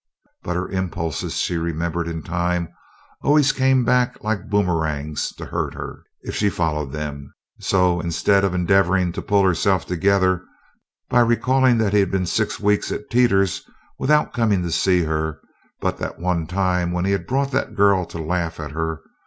But her impulses, she remembered in time, always came back like boomerangs to hurt her, if she followed them, so, instead, she endeavored to pull herself together by recalling that he had been six weeks at Teeters' without coming to see her but the one time when he had brought that girl to laugh at her.